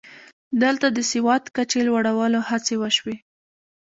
دلته د سواد کچې لوړولو هڅې وشوې